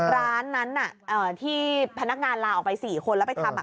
ร้านนั้นที่พนักงานลาออกไป๔คนแล้วไปทำ